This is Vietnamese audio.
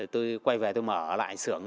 tôi quay về tôi mở lại sưởng